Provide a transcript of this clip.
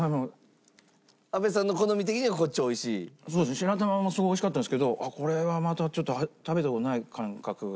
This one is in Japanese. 白玉もすごい美味しかったんですけどこれはまたちょっと食べた事ない感覚が。